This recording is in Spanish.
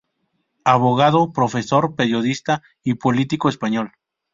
Abogado, profesor, periodista y político español.